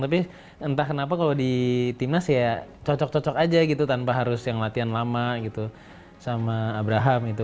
tapi entah kenapa kalau di timnas ya cocok cocok aja gitu tanpa harus yang latihan lama gitu sama abraham gitu